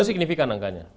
itu signifikan angkanya